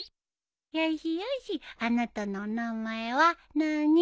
よしよしあなたのお名前はなあに？